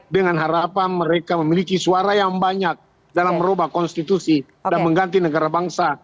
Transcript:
dengan harapan mereka memiliki suara yang banyak dalam merubah konstitusi dan mengganti negara bangsa